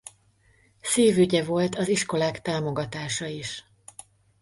Szívügye volt az iskolák támogatása is.